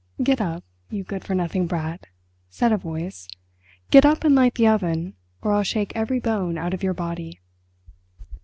"Get up, you good for nothing brat," said a voice; "get up and light the oven or I'll shake every bone out of your body."